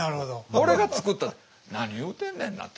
俺が作ったって何言うてんねんなって。